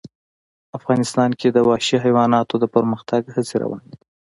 افغانستان کې د وحشي حیواناتو د پرمختګ هڅې روانې دي.